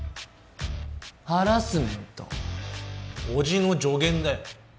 ハラスメント叔父の助言だよ